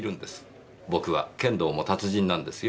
僕は剣道も達人なんですよ。